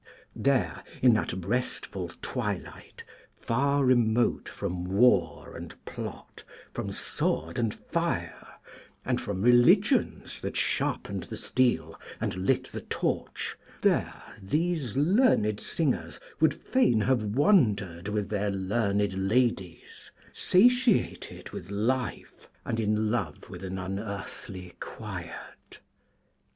* Transliterated. There, in that restful twilight, far remote from war and plot, from sword and fire, and from religions that sharpened the steel and lit the torch, there these learned singers would fain have wandered with their learned ladies, satiated with life and in love with an unearthly quiet.